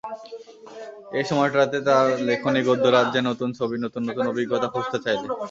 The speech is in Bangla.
এই সময়টাতে তার লেখনী গদ্যরাজ্যে নূতন ছবি নূতন নূতন অভিজ্ঞতা খুঁজতে চাইলে।